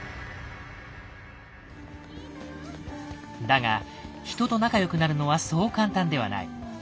だが人と仲良くなるのはそう簡単ではない。